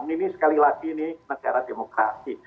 ini sekali lagi ini negara demokrasi